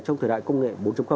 trong thời đại công nghệ bốn